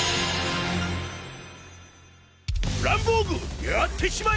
ランボーグやってしまえ！